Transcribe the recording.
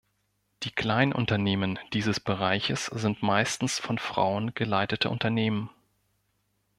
Die Kleinunternehmen dieses Bereiches sind meistens von Frauen geleitete Unternehmen.